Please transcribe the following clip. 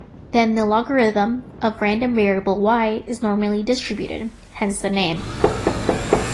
Then the logarithm of random variable "Y" is normally distributed, hence the name.